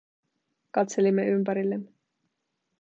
Katselimme ympärillemme.